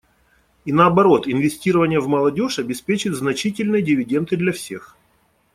И наоборот, инвестирование в молодежь обеспечит значительные дивиденды для всех.